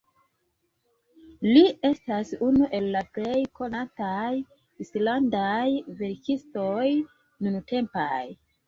Li estas unu el la plej konataj islandaj verkistoj nuntempaj.